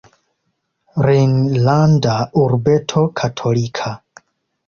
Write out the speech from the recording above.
Rejnlanda urbeto katolika.